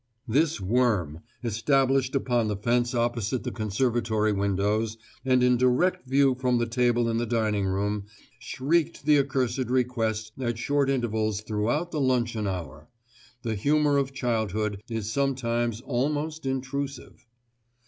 This worm, established upon the fence opposite the conservatory windows, and in direct view from the table in the dining room, shrieked the accursed request at short intervals throughout the luncheon hour. The humour of childhood is sometimes almost intrusive.